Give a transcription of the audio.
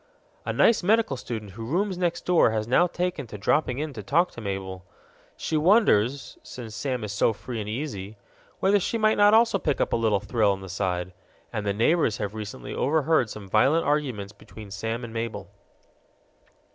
A nice medical student who rooms next door has now taken to dropping in to talk to Mabel. She wonders since Sam is so free and easy whether she might not also pick up a little thrill on the side. And the neighbors have recently overheard some violent arguments between Sam and Mabel.